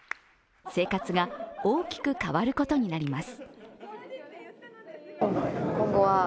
生活が大きく変わることになります。